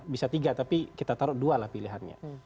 bisa tiga tapi kita taruh dua lah pilihannya